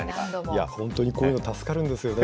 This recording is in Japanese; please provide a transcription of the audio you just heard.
本当にこういうの、助かるんですよね。